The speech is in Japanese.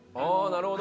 なるほど。